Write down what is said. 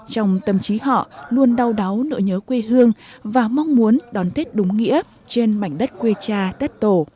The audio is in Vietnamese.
trong tâm trí họ luôn đau đáu nỗi nhớ quê hương và mong muốn đón tết đúng nghĩa trên mảnh đất quê cha tết tổ